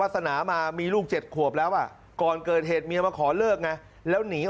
ตำรวจเช่นเวลาแป๊บเดียวล่ะจับตัวได้